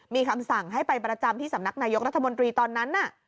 มีคำสั่งให้ไปประจำที่สำนักนายกรัฐมนตรีตอนนั้น